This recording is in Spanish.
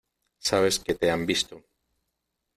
sabes que te han visto.